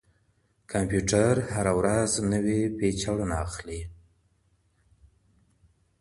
کمپيوټر هره ورځ نوي فيچرونه اخلي.